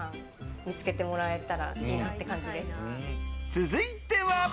続いては。